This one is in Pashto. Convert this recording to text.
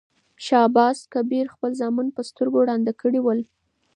شاه عباس کبیر خپل زامن په سترګو ړانده کړي ول.